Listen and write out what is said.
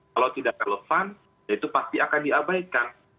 kalau tidak relevan ya itu pasti akan diabaikan